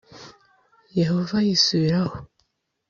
Yehova yisubiraho